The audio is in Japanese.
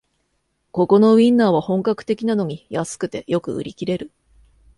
ここのウインナーは本格的なのに安くてよく売り切れる